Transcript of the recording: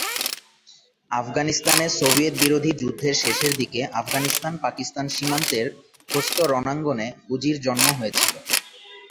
আফগানিস্তানে সোভিয়েতবিরোধী যুদ্ধের শেষের দিকে আফগানিস্তান-পাকিস্তান সীমান্তের খোস্ত রণাঙ্গনে হুজির জন্ম হয়েছিল।